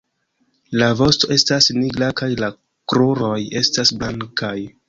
La vosto estas nigra kaj la kruroj estas blankaj.